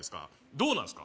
どうなんすか？